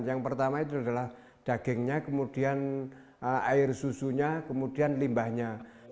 yang pertama itu adalah dagingnya kemudian air susunya kemudian limbahnya